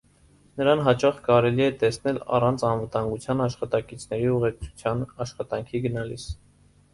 Նրան հաճախ կարելի է տեսնել առանց անվտանգության աշխատակիցների ուղեկցության աշխատանքի գնալիս։